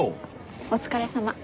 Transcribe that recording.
お疲れさま。